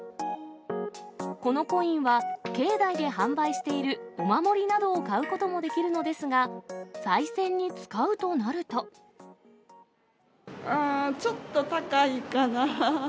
このコインは、境内で販売しているお守りなどを買うこともできるのですが、ちょっと高いかな。